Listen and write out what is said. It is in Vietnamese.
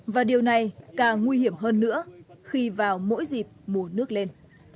và điều này càng nguy hiểm hơn nữa khi vào mỗi dịp mùa nước lên